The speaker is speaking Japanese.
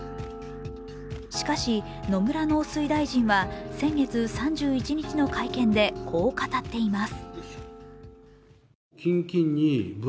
しかし、野村農水大臣は先月３１日の会見で、こう語っています。